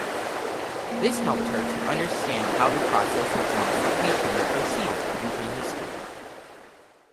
This helped her to understand how the process of domestication proceeded in prehistory.